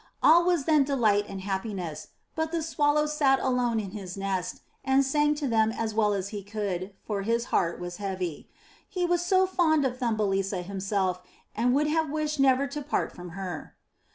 All was then delight and happiness, but the Swallow sat alone in his nest and sang to them as well as he could, for his heart was heavy; he was so fond of Thumbelisa himself, and would have wished never to part from her.